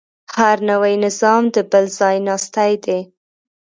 هر نوی نظام د بل ځایناستی دی.